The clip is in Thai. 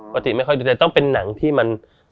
ปกติไม่ค่อยดูแต่ต้องเป็นหนังที่มัน